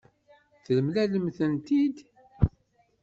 Temlalemt-tent-id?